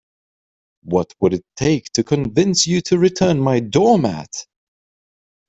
What would it take to convince you to return my doormat?